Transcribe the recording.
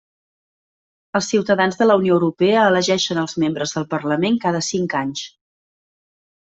Els ciutadans de la Unió Europea elegeixen els membres del Parlament cada cinc anys.